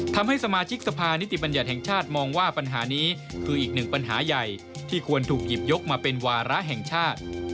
ทำให้สมาชิกสภานิติบัญญัติแห่งชาติมองว่าปัญหานี้คืออีกหนึ่งปัญหาใหญ่ที่ควรถูกหยิบยกมาเป็นวาระแห่งชาติ